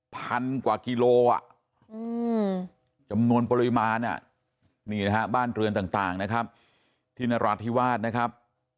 พันกว่ากิโลอ่ะจำนวนปริมาณนี่นะฮะบ้านเรือนต่างนะครับที่นราธิวาสนะครับ